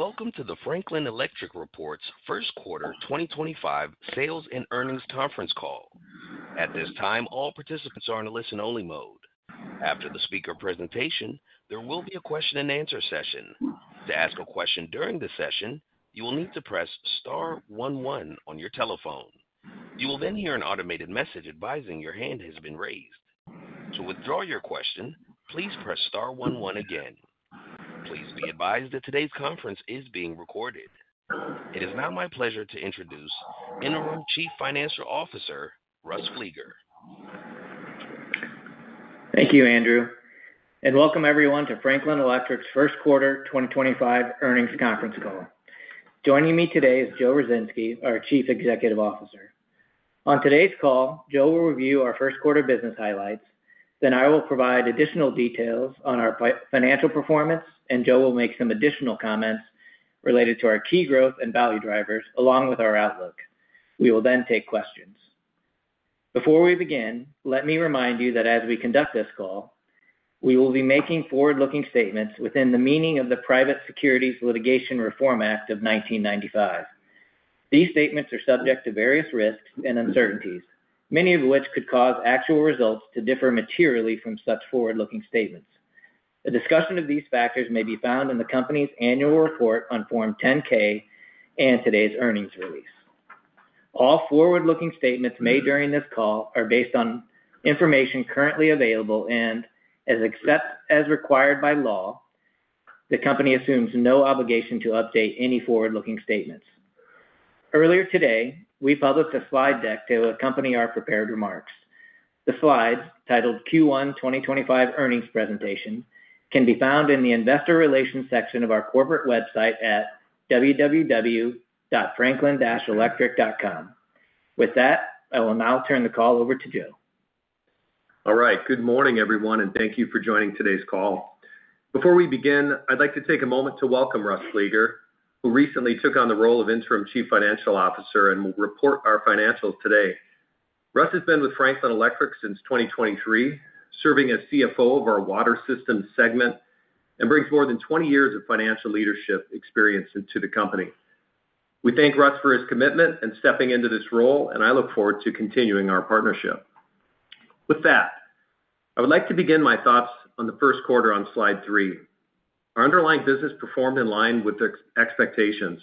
Welcome to the Franklin Electric Report's Q1 2025 sales and earnings conference call. At this time, all participants are in a listen-only mode. After the speaker presentation, there will be a question-and-answer session. To ask a question during the session, you will need to press star 11 on your telephone. You will then hear an automated message advising your hand has been raised. To withdraw your question, please press star 11 again. Please be advised that today's conference is being recorded. It is now my pleasure to introduce Interim Chief Financial Officer, Russ Fleeger. Thank you, Andrew. Welcome, everyone, to Franklin Electric's Q1 2025 earnings conference call. Joining me today is Joe Ruzynski, our Chief Executive Officer. On today's call, Joe will review our Q1 business highlights. I will provide additional details on our financial performance, and Joe will make some additional comments related to our key growth and value drivers, along with our outlook. We will then take questions. Before we begin, let me remind you that as we conduct this call, we will be making forward-looking statements within the meaning of the Private Securities Litigation Reform Act of 1995. These statements are subject to various risks and uncertainties, many of which could cause actual results to differ materially from such forward-looking statements. A discussion of these factors may be found in the company's annual report on Form 10-K and today's earnings release. All forward-looking statements made during this call are based on information currently available and, as required by law, the company assumes no obligation to update any forward-looking statements. Earlier today, we published a slide deck to accompany our prepared remarks. The slides, titled Q1 2025 earnings presentation, can be found in the investor relations section of our corporate website at www.franklin-electric.com. With that, I will now turn the call over to Joe. All right. Good morning, everyone, and thank you for joining today's call. Before we begin, I'd like to take a moment to welcome Russ Fleeger, who recently took on the role of Interim Chief Financial Officer and will report our financials today. Russ has been with Franklin Electric since 2023, serving as CFO of our Water Systems segment, and brings more than 20 years of financial leadership experience into the company. We thank Russ for his commitment and stepping into this role, and I look forward to continuing our partnership. With that, I would like to begin my thoughts on the Q1 on slide three. Our underlying business performed in line with expectations.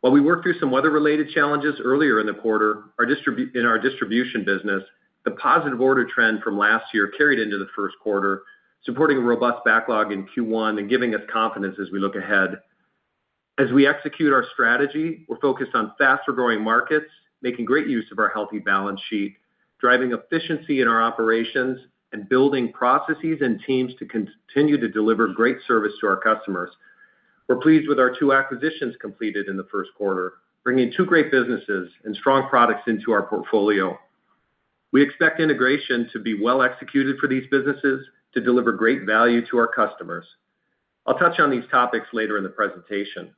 While we worked through some weather-related challenges earlier in the quarter in our distribution business, the positive order trend from last year carried into the Q1, supporting a robust backlog in Q1 and giving us confidence as we look ahead. As we execute our strategy, we're focused on faster-growing markets, making great use of our healthy balance sheet, driving efficiency in our operations, and building processes and teams to continue to deliver great service to our customers. We're pleased with our two acquisitions completed in the Q1, bringing two great businesses and strong products into our portfolio. We expect integration to be well executed for these businesses to deliver great value to our customers. I'll touch on these topics later in the presentation.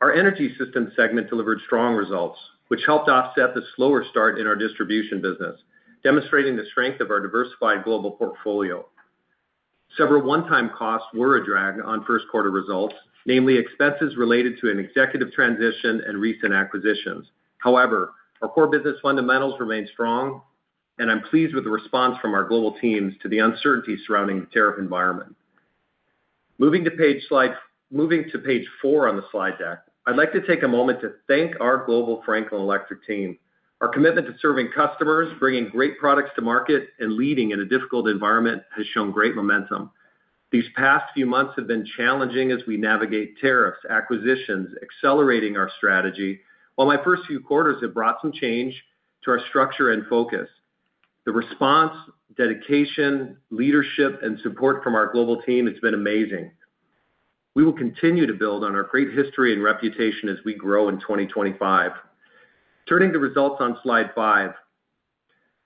Our energy systems segment delivered strong results, which helped offset the slower start in our distribution business, demonstrating the strength of our diversified global portfolio. Several one-time costs were a drag on Q1 results, namely expenses related to an executive transition and recent acquisitions. However, our core business fundamentals remained strong, and I'm pleased with the response from our global teams to the uncertainty surrounding the tariff environment. Moving to page four on the slide deck, I'd like to take a moment to thank our global Franklin Electric team. Our commitment to serving customers, bringing great products to market, and leading in a difficult environment has shown great momentum. These past few months have been challenging as we navigate tariffs, acquisitions, accelerating our strategy, while my first few quarters have brought some change to our structure and focus. The response, dedication, leadership, and support from our global team has been amazing. We will continue to build on our great history and reputation as we grow in 2025. Turning to results on slide five,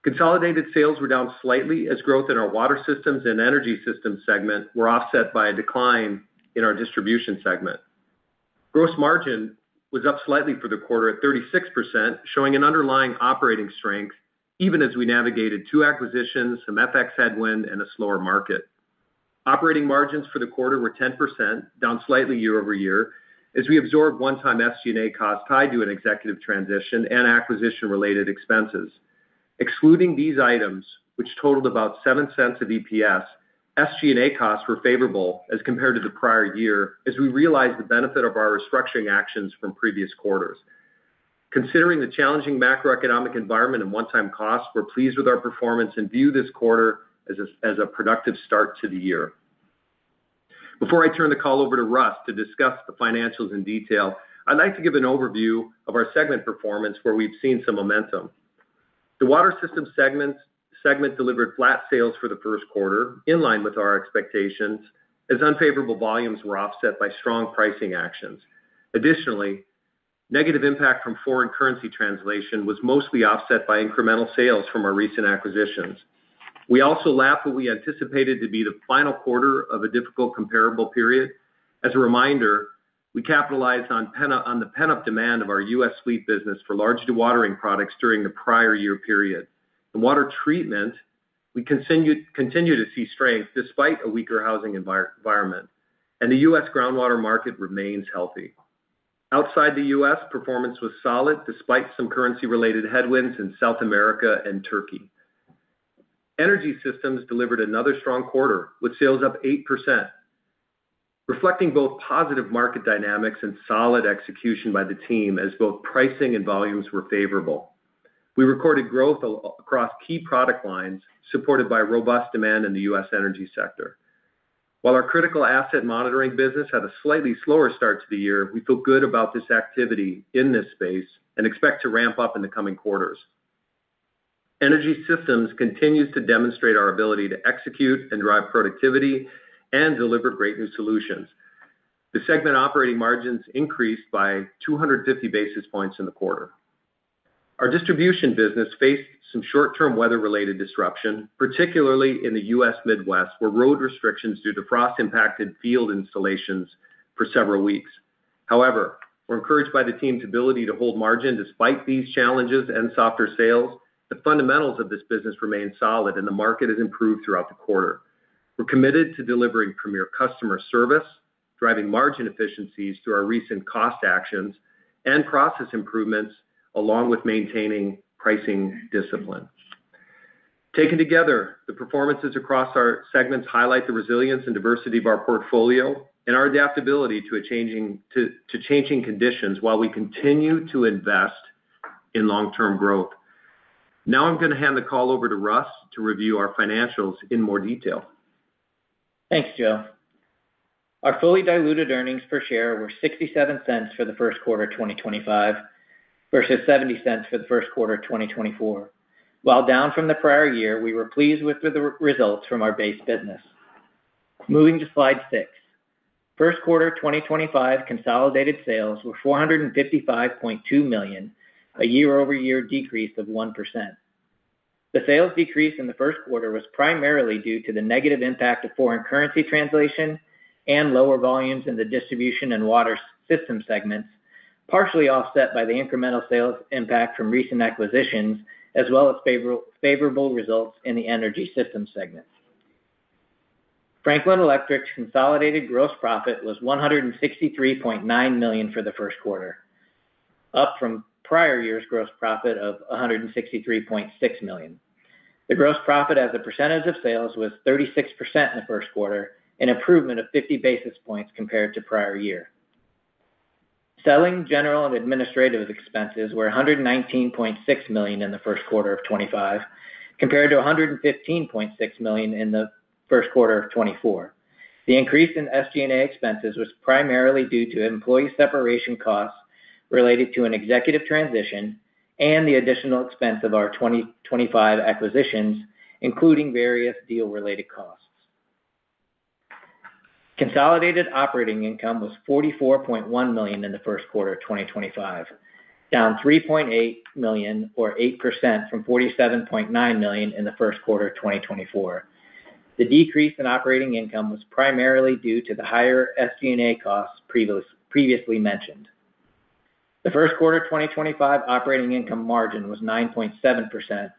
consolidated sales were down slightly as growth in our water systems and energy systems segment were offset by a decline in our distribution segment. Gross margin was up slightly for the quarter at 36%, showing an underlying operating strength, even as we navigated two acquisitions, some FX headwind, and a slower market. Operating margins for the quarter were 10%, down slightly year over year, as we absorbed one-time SG&A costs tied to an executive transition and acquisition-related expenses. Excluding these items, which totaled about $0.07 of EPS, SG&A costs were favorable as compared to the prior year, as we realized the benefit of our restructuring actions from previous quarters. Considering the challenging macroeconomic environment and one-time costs, we're pleased with our performance and view this quarter as a productive start to the year. Before I turn the call over to Russ to discuss the financials in detail, I'd like to give an overview of our segment performance, where we've seen some momentum. The Water Systems segment delivered flat sales for the Q1, in line with our expectations, as unfavorable volumes were offset by strong pricing actions. Additionally, negative impact from foreign currency translation was mostly offset by incremental sales from our recent acquisitions. We also lapped what we anticipated to be the final quarter of a difficult comparable period. As a reminder, we capitalized on the pent-up demand of our U.S. fleet business for large dewatering products during the prior year period. In water treatment, we continue to see strength despite a weaker housing environment, and the U.S. groundwater market remains healthy. Outside the U.S., performance was solid despite some currency-related headwinds in South America and Turkey. Energy Systems delivered another strong quarter, with sales up 8%, reflecting both positive market dynamics and solid execution by the team, as both pricing and volumes were favorable. We recorded growth across key product lines, supported by robust demand in the U.S. energy sector. While our critical asset monitoring business had a slightly slower start to the year, we feel good about this activity in this space and expect to ramp up in the coming quarters. Energy Systems continues to demonstrate our ability to execute and drive productivity and deliver great new solutions. The segment operating margins increased by 250 basis points in the quarter. Our Distribution business faced some short-term weather-related disruption, particularly in the U.S. Midwest, where road restrictions due to frost impacted field installations for several weeks. However, we're encouraged by the team's ability to hold margin despite these challenges and softer sales. The fundamentals of this business remain solid, and the market has improved throughout the quarter. We're committed to delivering premier customer service, driving margin efficiencies through our recent cost actions and process improvements, along with maintaining pricing discipline. Taken together, the performances across our segments highlight the resilience and diversity of our portfolio and our adaptability to changing conditions while we continue to invest in long-term growth. Now I'm going to hand the call over to Russ to review our financials in more detail. Thanks, Joe. Our fully diluted earnings per share were $0.67 for the Q1 2025 versus $0.70 for the Q1 2024. While down from the prior year, we were pleased with the results from our base business. Moving to slide six, Q1 2025 consolidated sales were $455.2 million, a year-over-year decrease of 1%. The sales decrease in the Q1 was primarily due to the negative impact of foreign currency translation and lower volumes in the distribution and water systems segments, partially offset by the incremental sales impact from recent acquisitions, as well as favorable results in the energy systems segment. Franklin Electric's consolidated gross profit was $163.9 million for the Q1, up from prior year's gross profit of $163.6 million. The gross profit as a percentage of sales was 36% in the Q1, an improvement of 50 basis points compared to prior year. Selling, general and administrative expenses were $119.6 million in the Q1 of 2025, compared to $115.6 million in the Q1 of 2024. The increase in SG&A expenses was primarily due to employee separation costs related to an executive transition and the additional expense of our 2025 acquisitions, including various deal-related costs. Consolidated operating income was $44.1 million in the Q1 of 2025, down $3.8 million, or 8%, from $47.9 million in the Q1 of 2024. The decrease in operating income was primarily due to the higher SG&A costs previously mentioned. The Q1 2025 operating income margin was 9.7%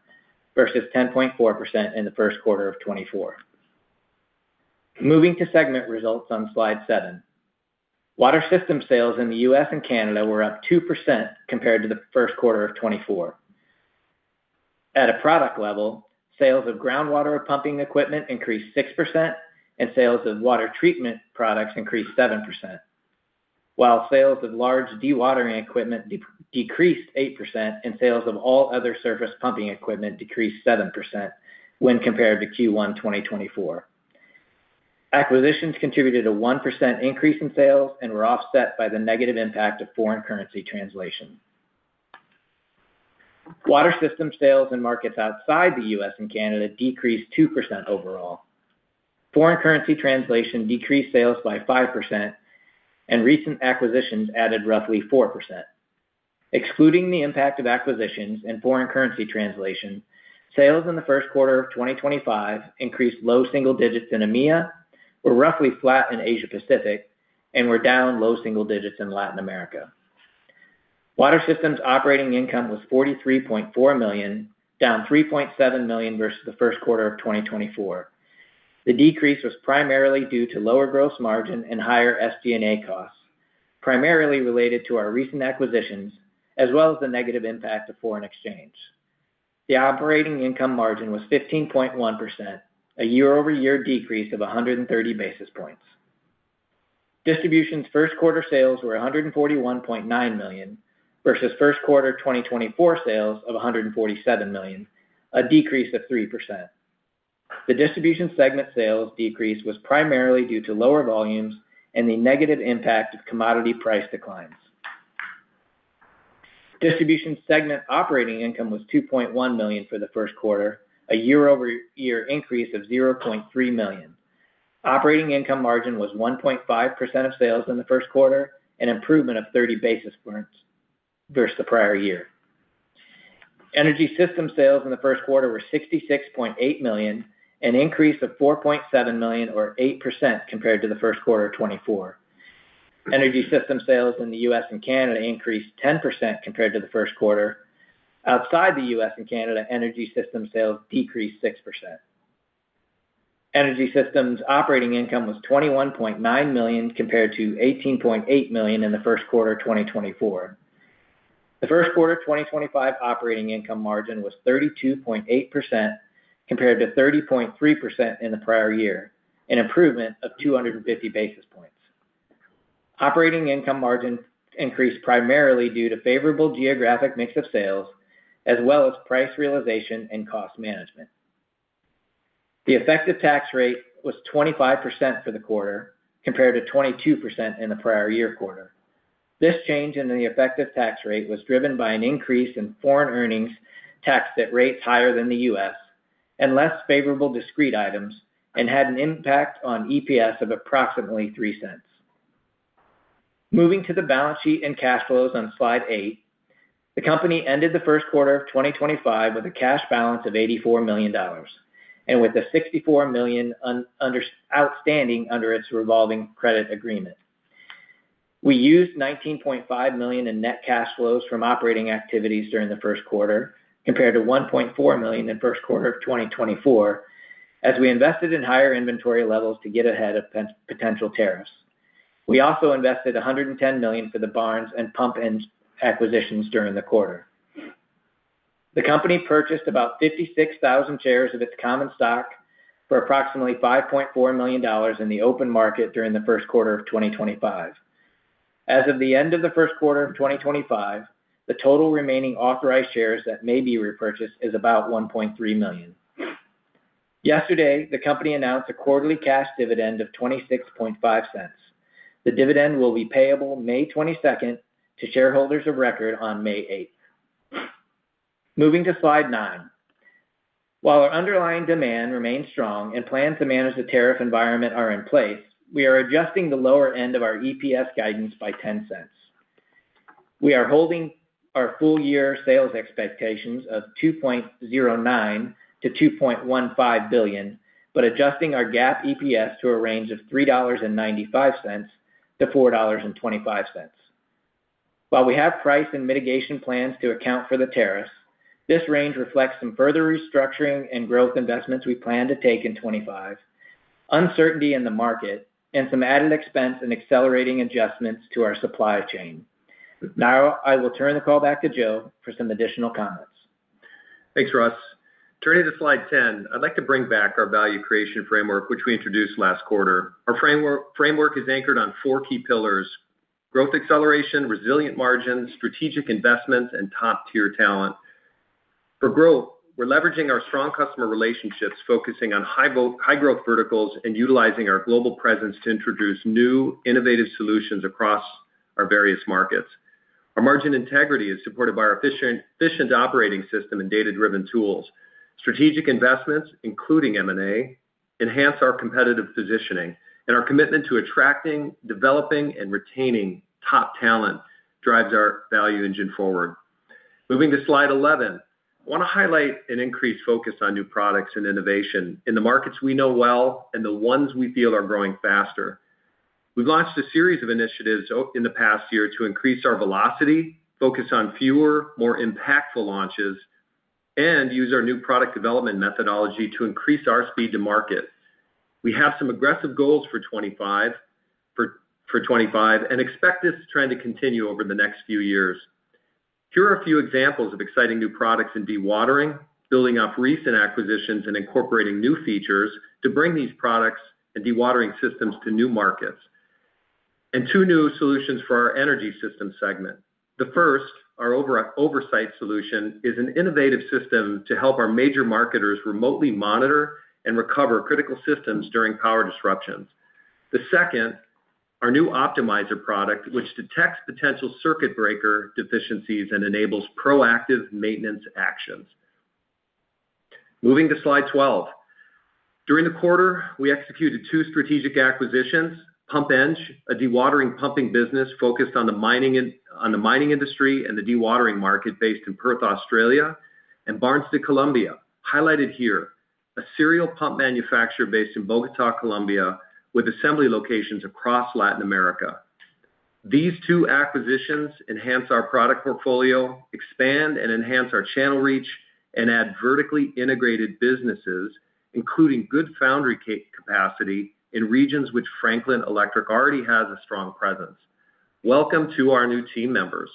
versus 10.4% in the Q1 of 2024. Moving to segment results on slide seven, water system sales in the U.S. and Canada were up 2% compared to the Q1 of 2024. At a product level, sales of groundwater pumping equipment increased 6%, and sales of water treatment products increased 7%, while sales of large dewatering equipment decreased 8% and sales of all other surface pumping equipment decreased 7% when compared to Q1 2024. Acquisitions contributed a 1% increase in sales and were offset by the negative impact of foreign currency translation. Water system sales and markets outside the U.S. and Canada decreased 2% overall. Foreign currency translation decreased sales by 5%, and recent acquisitions added roughly 4%. Excluding the impact of acquisitions and foreign currency translation, sales in the Q1 of 2025 increased low single digits in EMEA, were roughly flat in Asia-Pacific, and were down low single digits in Latin America. Water systems operating income was $43.4 million, down $3.7 million versus the Q1 of 2024. The decrease was primarily due to lower gross margin and higher SG&A costs, primarily related to our recent acquisitions, as well as the negative impact of foreign exchange. The operating income margin was 15.1%, a year-over-year decrease of 130 basis points. Distribution's Q1 sales were $141.9 million versus Q1 2024 sales of $147 million, a decrease of 3%. The distribution segment sales decrease was primarily due to lower volumes and the negative impact of commodity price declines. Distribution segment operating income was $2.1 million for the Q1, a year-over-year increase of $0.3 million. Operating income margin was 1.5% of sales in the Q1, an improvement of 30 basis points versus the prior year. Energy system sales in the Q1 were $66.8 million, an increase of $4.7 million, or 8%, compared to the Q1 of 2024. Energy system sales in the U.S. and Canada increased 10% compared to the Q1. Outside the U.S. and Canada, energy system sales decreased 6%. Energy systems operating income was $21.9 million compared to $18.8 million in the Q1 of 2024. The Q1 2025 operating income margin was 32.8% compared to 30.3% in the prior year, an improvement of 250 basis points. Operating income margin increased primarily due to favorable geographic mix of sales, as well as price realization and cost management. The effective tax rate was 25% for the quarter compared to 22% in the prior year quarter. This change in the effective tax rate was driven by an increase in foreign earnings taxed at rates higher than the U.S. and less favorable discrete items, and had an impact on EPS of approximately $0.03. Moving to the balance sheet and cash flows on slide eight, the company ended the Q1 of 2025 with a cash balance of $84 million and with $64 million outstanding under its revolving credit agreement. We used $19.5 million in net cash flows from operating activities during the Q1 compared to $1.4 million in the Q1 of 2024, as we invested in higher inventory levels to get ahead of potential tariffs. We also invested $110 million for the Barnes and PumpEng acquisitions during the quarter. The company purchased about 56,000 shares of its common stock for approximately $5.4 million in the open market during the Q1 of 2025. As of the end of the Q1 of 2025, the total remaining authorized shares that may be repurchased is about 1.3 million. Yesterday, the company announced a quarterly cash dividend of $0.265. The dividend will be payable 22 May 2025 to shareholders of record on 8 May 2025. Moving to slide nine, while our underlying demand remains strong and plans to manage the tariff environment are in place, we are adjusting the lower end of our EPS guidance by $0.10. We are holding our full year sales expectations of $2.09 billion to 2.15 billion, but adjusting our GAAP EPS to a range of $3.95 to 4.25. While we have price and mitigation plans to account for the tariffs, this range reflects some further restructuring and growth investments we plan to take in 2025, uncertainty in the market, and some added expense and accelerating adjustments to our supply chain. Now I will turn the call back to Joe for some additional comments. Thanks, Russ. Turning to slide 10, I'd like to bring back our value creation framework, which we introduced last quarter. Our framework is anchored on four key pillars: growth acceleration, resilient margins, strategic investments, and top-tier talent. For growth, we're leveraging our strong customer relationships, focusing on high-growth verticals and utilizing our global presence to introduce new innovative solutions across our various markets. Our margin integrity is supported by our efficient operating system and data-driven tools. Strategic investments, including M&A, enhance our competitive positioning, and our commitment to attracting, developing, and retaining top talent drives our value engine forward. Moving to slide 11, I want to highlight an increased focus on new products and innovation in the markets we know well and the ones we feel are growing faster. We've launched a series of initiatives in the past year to increase our velocity, focus on fewer, more impactful launches, and use our new product development methodology to increase our speed to market. We have some aggressive goals for 2025 and expect this trend to continue over the next few years. Here are a few examples of exciting new products in dewatering, building off recent acquisitions, and incorporating new features to bring these products and dewatering systems to new markets, and two new solutions for our energy systems segment. The first, our Oversight solution, is an innovative system to help our major marketers remotely monitor and recover critical systems during power disruptions. The second, our new Optimizer product, which detects potential circuit breaker deficiencies and enables proactive maintenance actions. Moving to slide 12, during the quarter, we executed two strategic acquisitions: PumpEng, a dewatering pumping business focused on the mining industry and the dewatering market based in Perth, Australia, and Barnes de Colombia, highlighted here, a serial pump manufacturer based in Bogota, Colombia, with assembly locations across Latin America. These two acquisitions enhance our product portfolio, expand and enhance our channel reach, and add vertically integrated businesses, including good foundry capacity in regions which Franklin Electric already has a strong presence. Welcome to our new team members.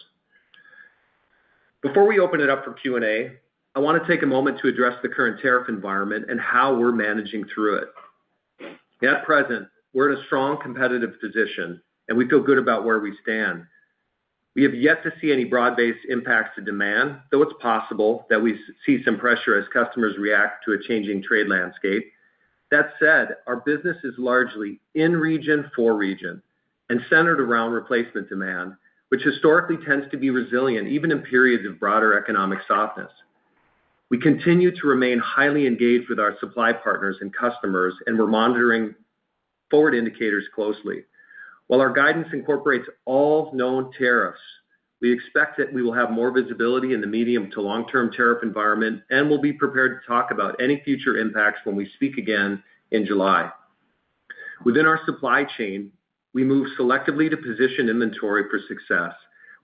Before we open it up for Q&A, I want to take a moment to address the current tariff environment and how we're managing through it. At present, we're in a strong competitive position, and we feel good about where we stand. We have yet to see any broad-based impacts to demand, though it's possible that we see some pressure as customers react to a changing trade landscape. That said, our business is largely in region for region and centered around replacement demand, which historically tends to be resilient even in periods of broader economic softness. We continue to remain highly engaged with our supply partners and customers, and we're monitoring forward indicators closely. While our guidance incorporates all known tariffs, we expect that we will have more visibility in the medium to long-term tariff environment and will be prepared to talk about any future impacts when we speak again in July. Within our supply chain, we move selectively to position inventory for success.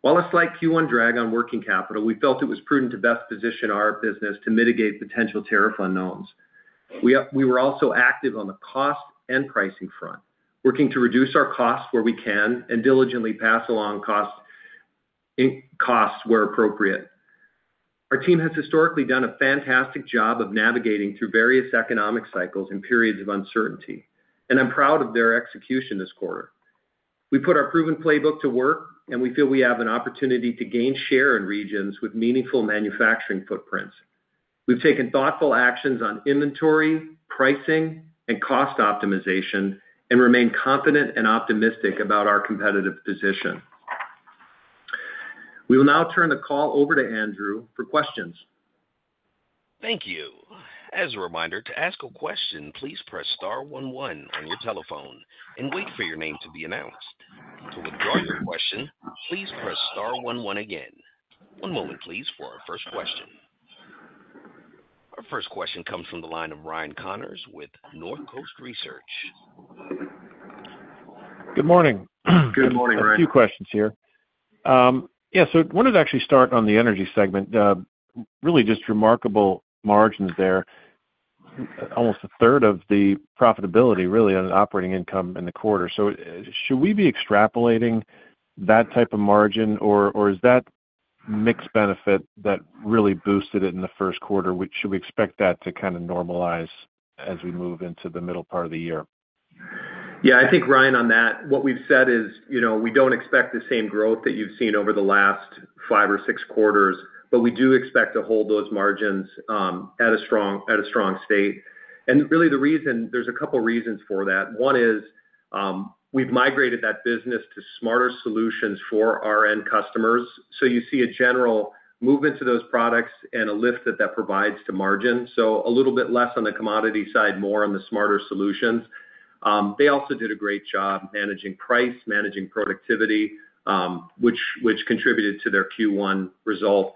While a slight Q1 drag on working capital, we felt it was prudent to best position our business to mitigate potential tariff unknowns. We were also active on the cost and pricing front, working to reduce our costs where we can and diligently pass along costs where appropriate. Our team has historically done a fantastic job of navigating through various economic cycles and periods of uncertainty, and I'm proud of their execution this quarter. We put our proven playbook to work, and we feel we have an opportunity to gain share in regions with meaningful manufacturing footprints. We've taken thoughtful actions on inventory, pricing, and cost optimization and remain confident and optimistic about our competitive position. We will now turn the call over to Andrew for questions. Thank you. As a reminder, to ask a question, please press star 11 on your telephone and wait for your name to be announced. To withdraw your question, please press star 11 again. One moment, please, for our first question. Our first question comes from the line of Ryan Connors with Northcoast Research. Good morning. Good morning, Ryan. A few questions here. Yeah, I wanted to actually start on the energy segment. Really just remarkable margins there. Almost a third of the profitability, really, on operating income in the quarter. Should we be extrapolating that type of margin, or is that mixed benefit that really boosted it in the Q1? Should we expect that to kind of normalize as we move into the middle part of the year? Yeah, I think, Ryan, on that, what we've said is we don't expect the same growth that you've seen over the last five or six quarters, but we do expect to hold those margins at a strong state. There are a couple of reasons for that. One is we've migrated that business to smarter solutions for our end customers. You see a general movement to those products and a lift that that provides to margin. A little bit less on the commodity side, more on the smarter solutions. They also did a great job managing price, managing productivity, which contributed to their Q1 result.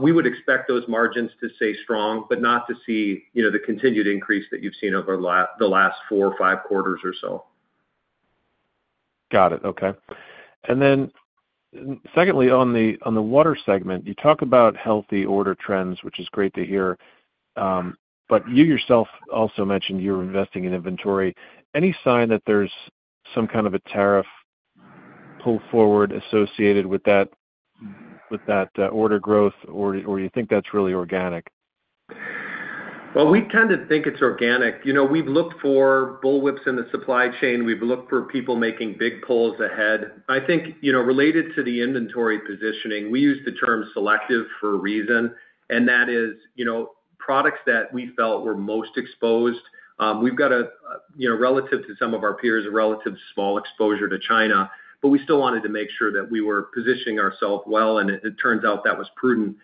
We would expect those margins to stay strong, but not to see the continued increase that you've seen over the last four or five quarters or so. Got it. Okay. Then secondly, on the water segment, you talk about healthy order trends, which is great to hear. You yourself also mentioned you're investing in inventory. Any sign that there's some kind of a tariff pull forward associated with that order growth, or do you think that's really organic? We tend to think it's organic. We've looked for bullwhips in the supply chain. We've looked for people making big pulls ahead. I think related to the inventory positioning, we use the term selective for a reason, and that is products that we felt were most exposed. We've got, relative to some of our peers, a relatively small exposure to China, but we still wanted to make sure that we were positioning ourselves well, and it turns out that was prudent.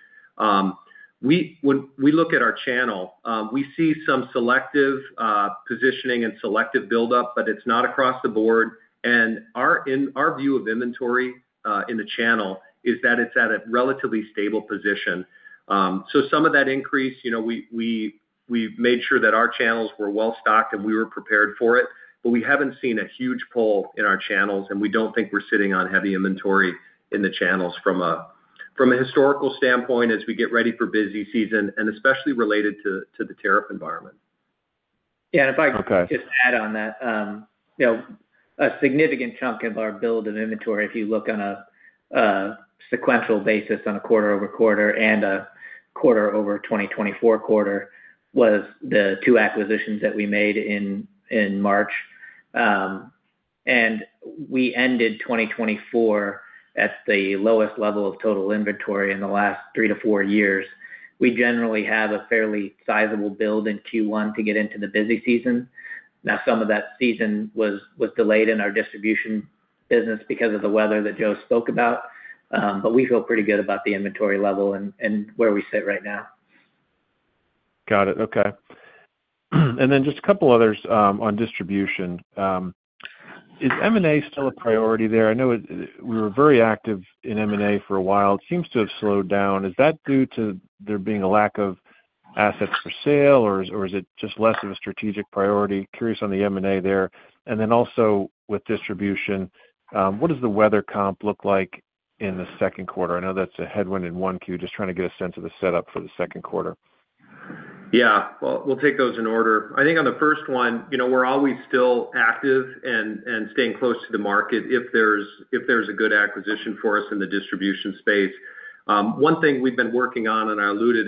When we look at our channel, we see some selective positioning and selective buildup, but it's not across the board. Our view of inventory in the channel is that it's at a relatively stable position. Some of that increase, we made sure that our channels were well stocked and we were prepared for it, but we have not seen a huge pull in our channels, and we do not think we are sitting on heavy inventory in the channels from a historical standpoint as we get ready for busy season, and especially related to the tariff environment. Yeah, and if I could just add on that, a significant chunk of our build of inventory, if you look on a sequential basis on a quarter over quarter and a quarter over 2024 quarter, was the two acquisitions that we made in March. We ended 2024 at the lowest level of total inventory in the last three to four years. We generally have a fairly sizable build in Q1 to get into the busy season. Now, some of that season was delayed in our distribution business because of the weather that Joe spoke about, but we feel pretty good about the inventory level and where we sit right now. Got it. Okay. Just a couple of others on distribution. Is M&A still a priority there? I know we were very active in M&A for a while. It seems to have slowed down. Is that due to there being a lack of assets for sale, or is it just less of a strategic priority? Curious on the M&A there. Also with distribution, what does the weather comp look like in the Q2? I know that's a headwind in Q1, just trying to get a sense of the setup for the Q2. Yeah. We'll take those in order. I think on the first one, we're always still active and staying close to the market if there's a good acquisition for us in the distribution space. One thing we've been working on, and I alluded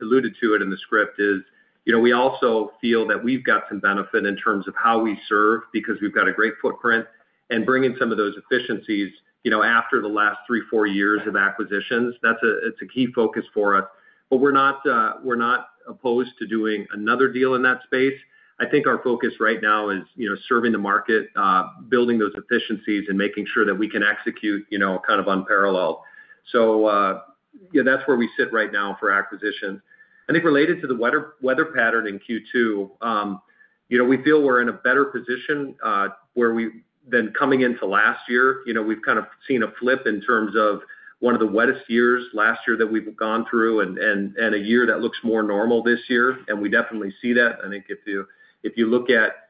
to it in the script, is we also feel that we've got some benefit in terms of how we serve because we've got a great footprint. Bringing some of those efficiencies after the last three, four years of acquisitions, that's a key focus for us. We're not opposed to doing another deal in that space. I think our focus right now is serving the market, building those efficiencies, and making sure that we can execute kind of unparalleled. That's where we sit right now for acquisitions. I think related to the weather pattern in Q2, we feel we're in a better position than coming into last year. We've kind of seen a flip in terms of one of the wettest years last year that we've gone through and a year that looks more normal this year. We definitely see that. I think if you look at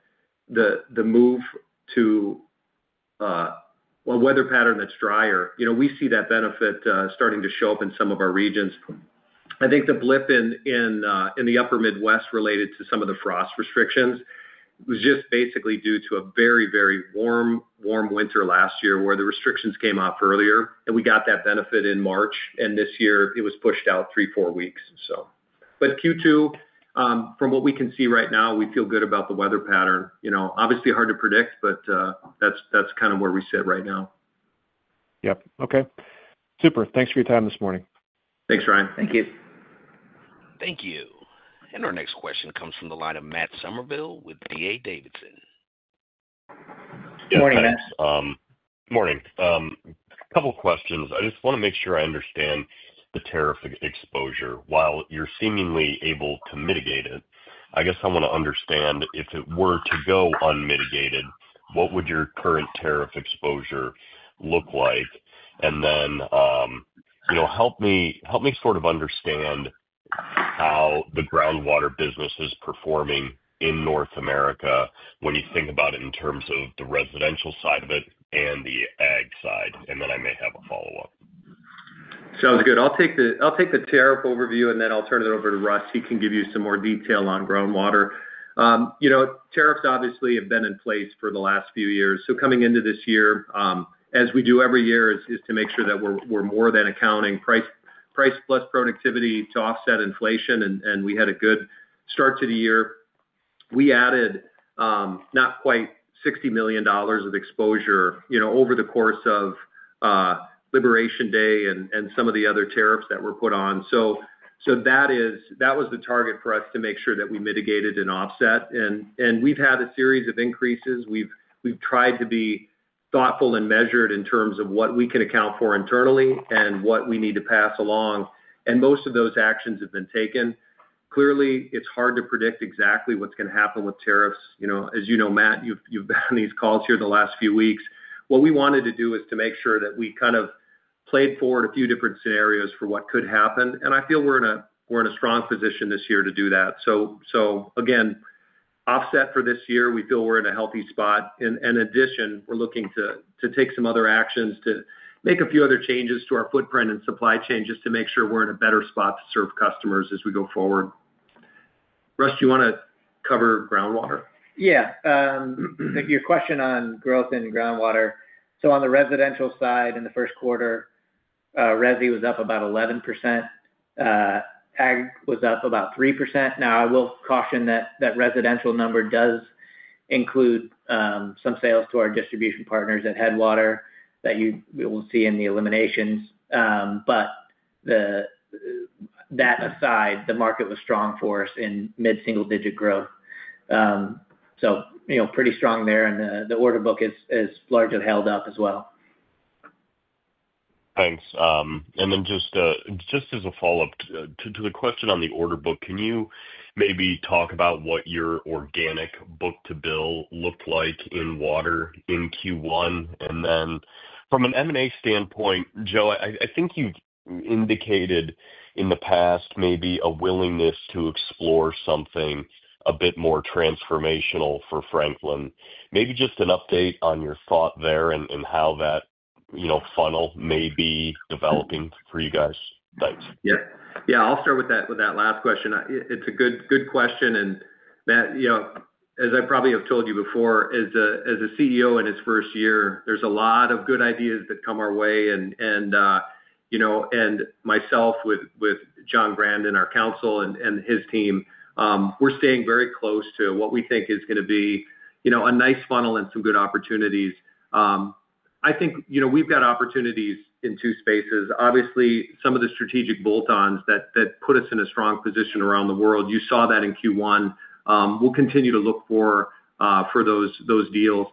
the move to a weather pattern that's drier, we see that benefit starting to show up in some of our regions. I think the blip in the upper Midwest related to some of the frost restrictions was just basically due to a very, very warm winter last year where the restrictions came off earlier, and we got that benefit in March. This year, it was pushed out three, four weeks. Q2, from what we can see right now, we feel good about the weather pattern. Obviously, hard to predict, but that's kind of where we sit right now. Yep. Okay. Super. Thanks for your time this morning. Thanks, Ryan. Thank you. Thank you. Our next question comes from the line of Matt Summerville with D.A. Davidson. Good morning, Matt. Good morning. A couple of questions. I just want to make sure I understand the tariff exposure. While you're seemingly able to mitigate it, I guess I want to understand if it were to go unmitigated, what would your current tariff exposure look like? I just want to make sure I understand how the groundwater business is performing in North America when you think about it in terms of the residential side of it and the Ag side. I may have a follow-up. Sounds good. I'll take the tariff overview, and then I'll turn it over to Russ. He can give you some more detail on groundwater. Tariffs obviously have been in place for the last few years. Coming into this year, as we do every year, is to make sure that we're more than accounting price plus productivity to offset inflation, and we had a good start to the year. We added not quite $60 million of exposure over the course of Liberation Day and some of the other tariffs that were put on. That was the target for us to make sure that we mitigated and offset. We've had a series of increases. We've tried to be thoughtful and measured in terms of what we can account for internally and what we need to pass along. Most of those actions have been taken. Clearly, it's hard to predict exactly what's going to happen with tariffs. As you know, Matt, you've been on these calls here the last few weeks. What we wanted to do is to make sure that we kind of played forward a few different scenarios for what could happen. I feel we're in a strong position this year to do that. Again, offset for this year, we feel we're in a healthy spot. In addition, we're looking to take some other actions to make a few other changes to our footprint and supply chains just to make sure we're in a better spot to serve customers as we go forward. Russ, do you want to cover groundwater? Yeah. Your question on growth in groundwater. On the residential side in the Q1, Resi was up about 11%. Ag was up about 3%. I will caution that that residential number does include some sales to our distribution partners at Headwater that we will see in the eliminations. That aside, the market was strong for us in mid-single-digit growth. Pretty strong there, and the order book is largely held up as well. Thanks. Just as a follow-up to the question on the order book, can you maybe talk about what your organic book-to-bill looked like in water in Q1? From an M&A standpoint, Joe, I think you have indicated in the past maybe a willingness to explore something a bit more transformational for Franklin. Maybe just an update on your thought there and how that funnel may be developing for you guys. Thanks. Yeah. Yeah, I'll start with that last question. It's a good question. And Matt, as I probably have told you before, as a CEO in his first year, there's a lot of good ideas that come our way and myself with Jon Grandon, our council and his team, we're staying very close to what we think is going to be a nice funnel and some good opportunities. I think we've got opportunities in two spaces. Obviously, some of the strategic bolt-ons that put us in a strong position around the world, you saw that in Q1. We'll continue to look for those deals.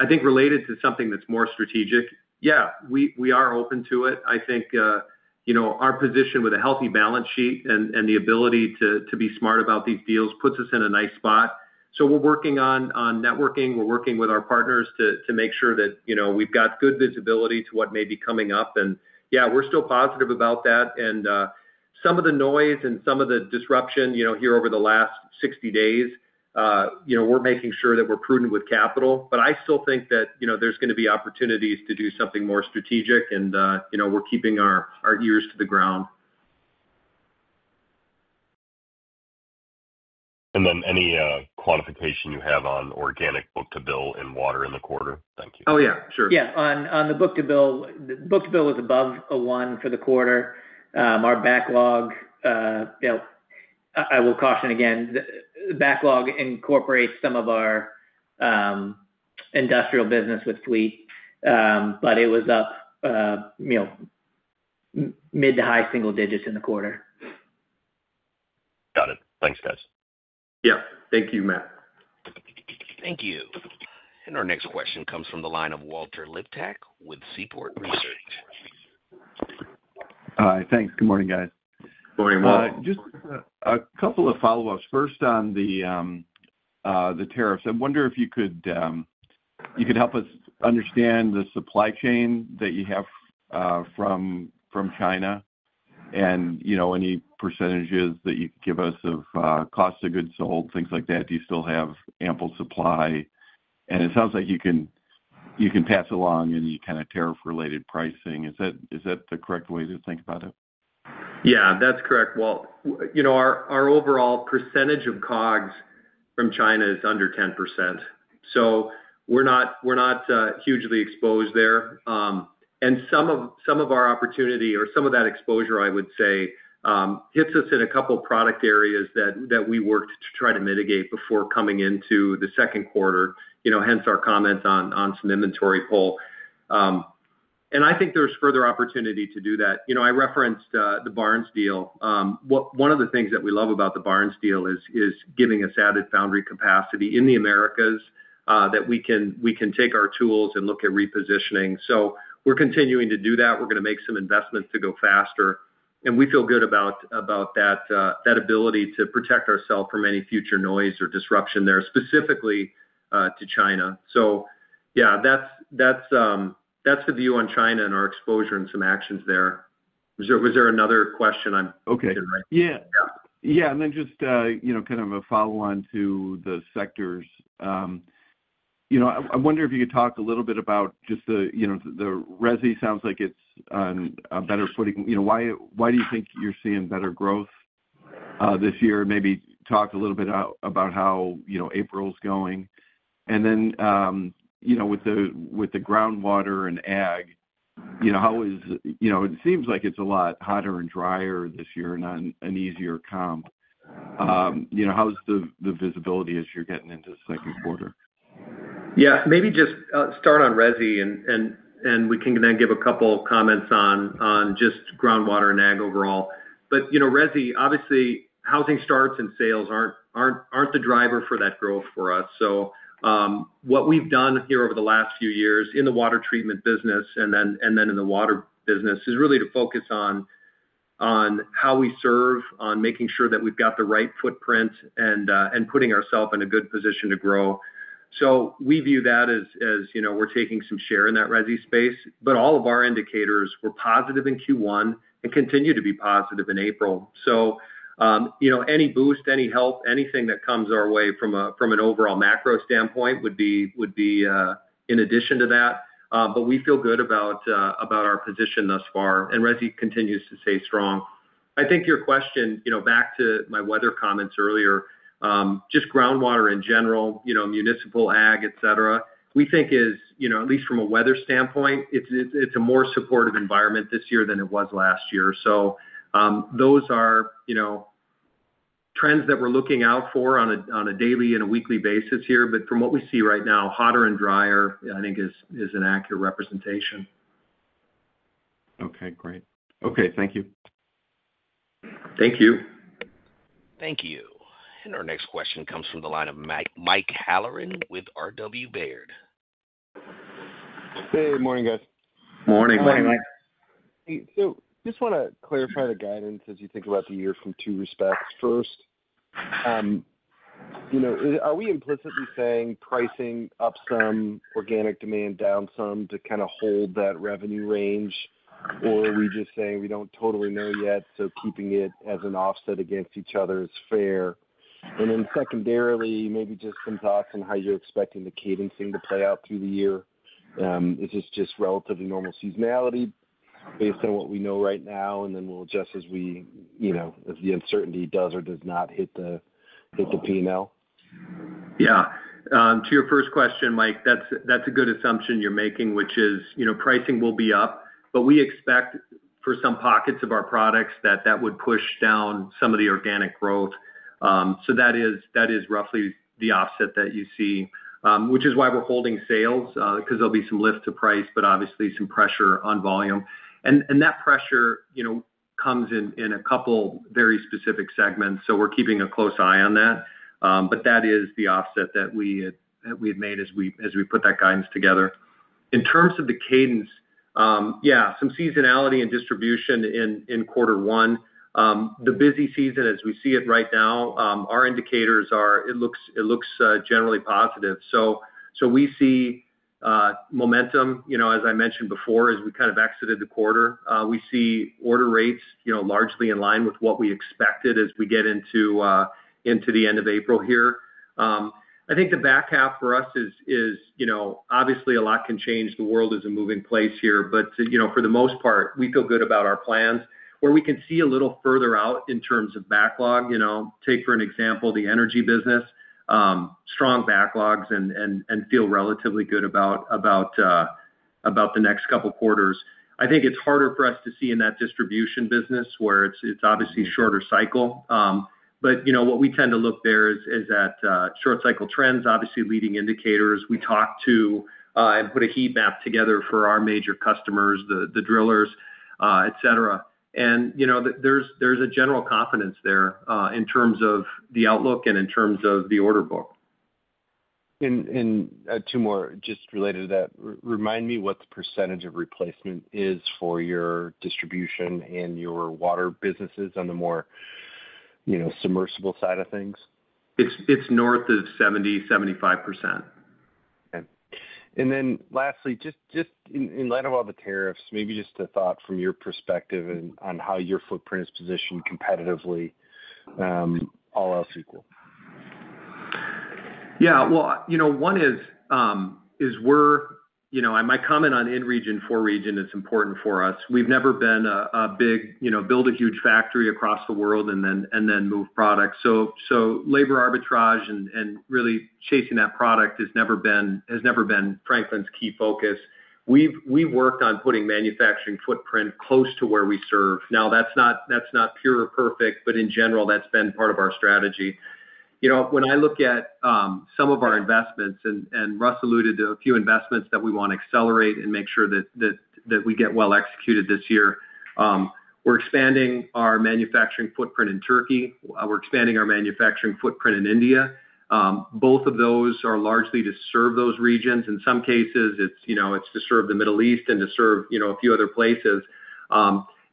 I think related to something that's more strategic, yeah, we are open to it. I think our position with a healthy balance sheet and the ability to be smart about these deals puts us in a nice spot. So we're working on networking. We're working with our partners to make sure that we've got good visibility to what may be coming up. Yeah, we're still positive about that. Some of the noise and some of the disruption here over the last 60 days, we're making sure that we're prudent with capital. I still think that there's going to be opportunities to do something more strategic, and we're keeping our ears to the ground. Do you have any quantification on organic book-to-bill in water in the quarter? Thank you. Oh, yeah. Sure. Yeah. On the book-to-bill, book-to-bill was above a 1 for the quarter. Our backlog, I will caution again, the backlog incorporates some of our industrial business with Fleet, but it was up mid to high single digits in the quarter. Got it. Thanks, guys. Yeah. Thank you, Matt. Thank you. Our next question comes from the line of Walter Liptak with Seaport Research. Hi. Thanks. Good morning, guys. Good morning, Walt. Just a couple of follow-ups. First, on the tariffs, I wonder if you could help us understand the supply chain that you have from China and any percentages that you could give us of cost of goods sold, things like that. Do you still have ample supply? It sounds like you can pass along any kind of tariff-related pricing. Is that the correct way to think about it? Yeah, that's correct. Our overall percentage of COGS from China is under 10%. We're not hugely exposed there. Some of our opportunity or some of that exposure, I would say, hits us in a couple of product areas that we worked to try to mitigate before coming into the Q2, hence our comments on some inventory pull. I think there's further opportunity to do that. I referenced the Barnes deal. One of the things that we love about the Barnes deal is giving us added foundry capacity in the Americas that we can take our tools and look at repositioning. We're continuing to do that. We're going to make some investments to go faster. We feel good about that ability to protect ourselves from any future noise or disruption there, specifically to China. Yeah, that's the view on China and our exposure and some actions there. Was there another question I'm missing? Yeah. Yeah. Just kind of a follow-on to the sectors. I wonder if you could talk a little bit about just the Resi. Sounds like it's on better footing. Why do you think you're seeing better growth this year? Maybe talk a little bit about how April's going. With the groundwater and Ag, how is it? Seems like it's a lot hotter and drier this year and an easier comp. How's the visibility as you're getting into the Q2? Yeah. Maybe just start on Resi, and we can then give a couple of comments on just groundwater and Ag overall. Resi, obviously, housing starts and sales aren't the driver for that growth for us. What we've done here over the last few years in the water treatment business and then in the water business is really to focus on how we serve, on making sure that we've got the right footprint, and putting ourselves in a good position to grow. We view that as we're taking some share in that Resi space. All of our indicators were positive in Q1 and continue to be positive in April. Any boost, any help, anything that comes our way from an overall macro standpoint would be in addition to that. We feel good about our position thus far. Resi continues to stay strong. I think your question back to my weather comments earlier, just groundwater in general, municipal, Ag, etc., we think is, at least from a weather standpoint, it's a more supportive environment this year than it was last year. Those are trends that we're looking out for on a daily and a weekly basis here. From what we see right now, hotter and drier, I think, is an accurate representation. Okay. Great. Okay. Thank you. Thank you. Thank you. Our next question comes from the line of Mike Halloran with RW Baird. Hey. Morning, guys. Morning. Morning, Mike. Just want to clarify the guidance as you think about the year from two respects. First, are we implicitly saying pricing up some, organic demand down some, to kind of hold that revenue range, or are we just saying we do not totally know yet, so keeping it as an offset against each other is fair? Secondarily, maybe just some thoughts on how you are expecting the cadencing to play out through the year. Is this just relatively normal seasonality based on what we know right now, and then we will adjust as the uncertainty does or does not hit the P&L? Yeah. To your first question, Mike, that's a good assumption you're making, which is pricing will be up. We expect for some pockets of our products that that would push down some of the organic growth. That is roughly the offset that you see, which is why we're holding sales, because there'll be some lift to price, but obviously some pressure on volume. That pressure comes in a couple of very specific segments. We're keeping a close eye on that. That is the offset that we had made as we put that guidance together. In terms of the cadence, yeah, some seasonality and distribution in quarter one. The busy season, as we see it right now, our indicators are it looks generally positive. We see momentum, as I mentioned before, as we kind of exited the quarter. We see order rates largely in line with what we expected as we get into the end of April here. I think the back half for us is obviously a lot can change. The world is a moving place here. For the most part, we feel good about our plans where we can see a little further out in terms of backlog. Take for an example the energy business, strong backlogs, and feel relatively good about the next couple of quarters. I think it's harder for us to see in that distribution business where it's obviously shorter cycle. What we tend to look there is at short-cycle trends, obviously leading indicators. We talk to and put a heat map together for our major customers, the drillers, etc. There's a general confidence there in terms of the outlook and in terms of the order book. Two more just related to that. Remind me what the percentage of replacement is for your distribution and your water businesses on the more submersible side of things. It's north of 70%-75%. Okay. Lastly, just in light of all the tariffs, maybe just a thought from your perspective on how your footprint is positioned competitively, all else equal. Yeah. One is my comment on in-region, for-region, it's important for us. We've never been a big build a huge factory across the world and then move products. Labor arbitrage and really chasing that product has never been Franklin's key focus. We've worked on putting manufacturing footprint close to where we serve. Now, that's not pure or perfect, but in general, that's been part of our strategy. When I look at some of our investments, and Russ alluded to a few investments that we want to accelerate and make sure that we get well executed this year. We're expanding our manufacturing footprint in Turkey. We're expanding our manufacturing footprint in India. Both of those are largely to serve those regions. In some cases, it's to serve the Middle East and to serve a few other places.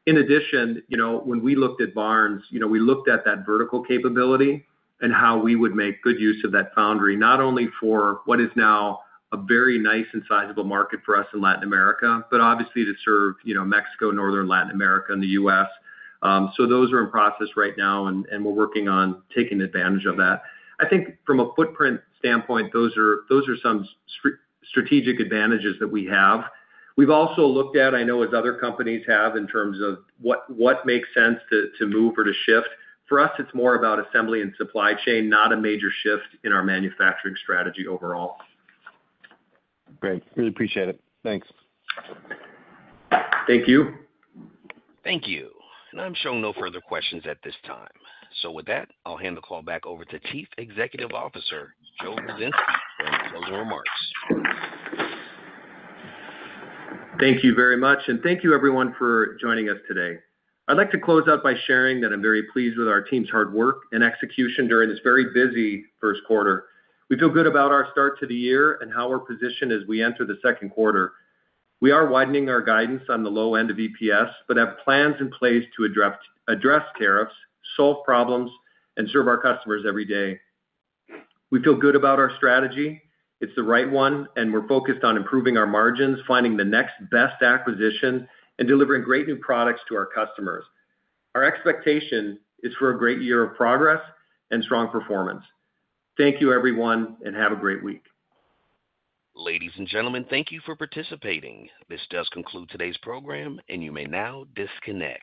In addition, when we looked at Barnes, we looked at that vertical capability and how we would make good use of that foundry, not only for what is now a very nice and sizable market for us in Latin America, but obviously to serve Mexico, Northern Latin America, and the U.S. Those are in process right now, and we're working on taking advantage of that. I think from a footprint standpoint, those are some strategic advantages that we have. We've also looked at, I know as other companies have in terms of what makes sense to move or to shift. For us, it's more about assembly and supply chain, not a major shift in our manufacturing strategy overall. Great. Really appreciate it. Thanks. Thank you. Thank you. I am showing no further questions at this time. With that, I will hand the call back over to Chief Executive Officer Joe Ruzynski for any closing remarks. Thank you very much. Thank you, everyone, for joining us today. I'd like to close out by sharing that I'm very pleased with our team's hard work and execution during this very busy Q1. We feel good about our start to the year and how we're positioned as we enter the Q2. We are widening our guidance on the low end of EPS, but have plans in place to address tariffs, solve problems, and serve our customers every day. We feel good about our strategy. It's the right one, and we're focused on improving our margins, finding the next best acquisition, and delivering great new products to our customers. Our expectation is for a great year of progress and strong performance. Thank you, everyone, and have a great week. Ladies and gentlemen, thank you for participating. This does conclude today's program, and you may now disconnect.